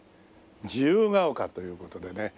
自由が丘という事でね。